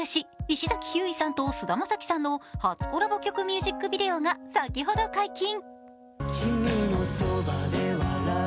石崎ひゅーいさんと菅田将暉さんの初コラボ曲ミュージックビデオが先ほど解禁。